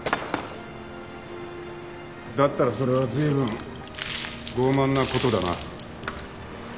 だったらそれは随分ごう慢なことだな。